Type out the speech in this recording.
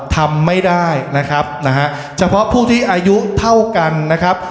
ทำไม่ได้นะครับนะฮะเฉพาะผู้ที่อายุเท่ากันนะครับ